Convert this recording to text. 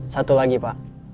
satu lagi pak